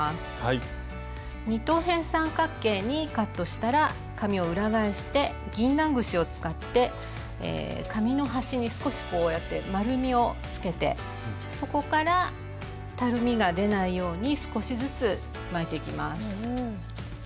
二等辺三角形にカットしたら紙を裏返してぎんなん串を使って紙の端に少しこうやって丸みをつけてそこからたるみが出ないように少しずつ巻いていきます。